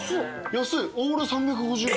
安いオール３５０円。